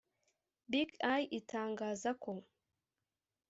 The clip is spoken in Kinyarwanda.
BigEye itangaza ko